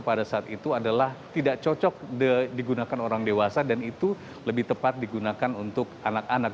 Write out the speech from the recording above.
pada saat itu adalah tidak cocok digunakan orang dewasa dan itu lebih tepat digunakan untuk anak anak